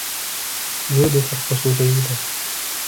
جودي ترقص جيدا.